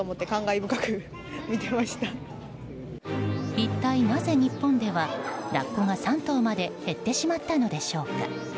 一体なぜ、日本ではラッコが３頭まで減ってしまったんでしょうか。